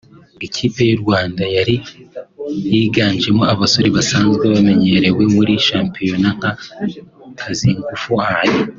Ikipe y’u Rwanda yari yiganjemo abasore basanzwe bamenyerewe muri shampiyona nka Kazingufu Ali